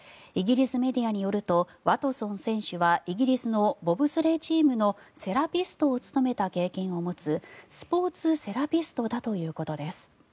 イギリスメディアによるとワトソン選手はイギリスのボブスレーチームのセラピストを務めた経験を持つスポーツセラピストだということです。